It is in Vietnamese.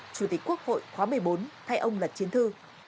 chủ tịch quốc hội khóa một mươi bốn thay ông lật chiến thư